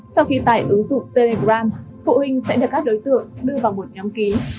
sau khi tải ứng dụng telegram phụ huynh sẽ được các đối tượng đưa vào một nhóm kín